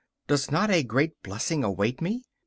Does not a great blessing await me?